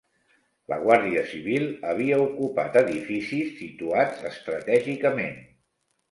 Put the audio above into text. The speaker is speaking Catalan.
La Guàrdia Civil havia ocupat edificis situats estratègicament